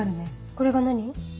これが何？